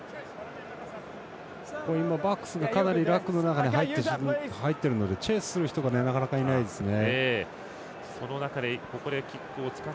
今、バックスがかなりラックの中に入ってるのでチェースする人がなかなかいないですね。